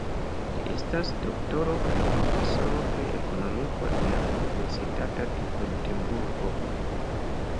Li estas doktoro kaj profesoro pri Ekonomiko en la Universitato de Gotenburgo.